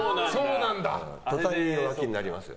弱気になりますよ。